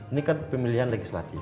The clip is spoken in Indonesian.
ini kan pemilihan legislatif